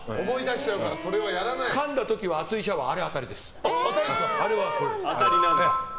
かんだ時は熱いシャワーあれは当たりです。